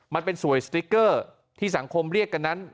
มันเป็นสวยสติ๊กเกอร์ที่สังคมเรียกกันนั้น